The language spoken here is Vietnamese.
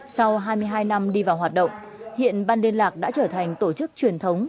sau hai mươi hai năm đi vào hoạt động hiện ban liên lạc đã trở thành tổ chức truyền thống